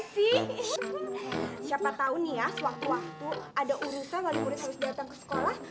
siapa tahu nih ya sewaktu waktu ada urusan wali murid harus datang ke sekolah